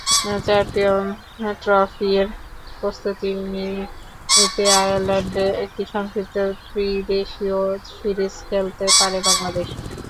Champions ট্রফির প্রস্তুতি নিতে আয়ারল্যান্ডে একটি সংক্ষিপ্ত ত্রিদেশীয় সিরিজ খেলতে পারে বাংলাদেশ।